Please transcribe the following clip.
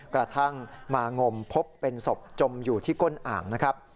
กระทั่งมางมพบเป็นศพจมอยู่ที่ก้นอ่างนะครับ